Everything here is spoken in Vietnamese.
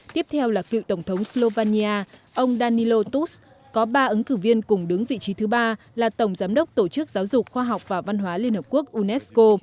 tiếp theo là cựu tổng thống slovania ông danilo tusk có ba ứng cử viên cùng đứng vị trí thứ ba là tổng giám đốc tổ chức giáo dục khoa học và văn hóa liên hợp quốc unesco